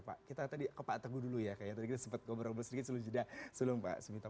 pak kita tadi ke pak teguh dulu ya kayak tadi kita sempat ngobrol ngobrol sedikit sebelum pak sumito